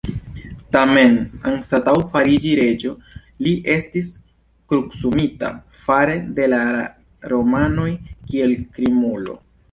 Tamen, anstataŭ fariĝi reĝo, li estis krucumita fare de la romianoj kiel krimulo.